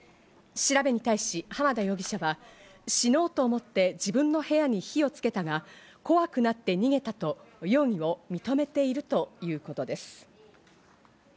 調べに対し浜田容疑者は、死のうと思って自分の部屋に火をつけたが、怖くなって逃げたと容疑を認めているということです。